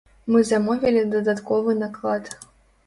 Мы замовілі дадатковы наклад.